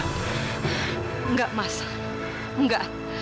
tidak mas tidak